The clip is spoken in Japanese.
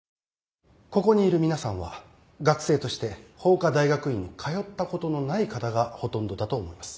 ここにいる皆さんは学生として法科大学院に通ったことのない方がほとんどだと思います。